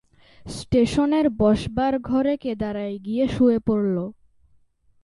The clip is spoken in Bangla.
স্টেশনের বসবার ঘরে কেদারায় গিয়ে শুয়ে পড়ল।